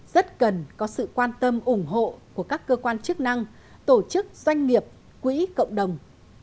rất cần có sự quan tâm ủng hộ của các cơ quan chức năng tổ chức doanh nghiệp quỹ cộng đồng